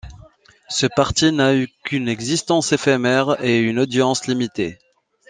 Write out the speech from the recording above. Ce parti n'a eu qu'une existence éphémère et une audience limitée.